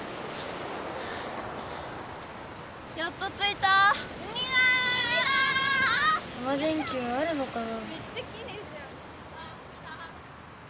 タマ電Ｑあるのかな？